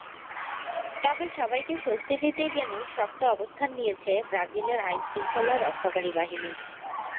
তবে সবাইকে স্বস্তি দিতেই যেন শক্ত অবস্থান নিয়েছে ব্রাজিলের আইনশৃঙ্খলা রক্ষাকারী বাহিনী।